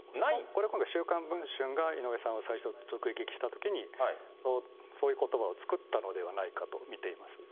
これ、今度、週刊文春が井上さんを最初に直撃したときに、そういうことばを作ったのではないかと見ています。